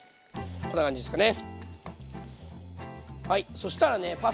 こんな感じですね。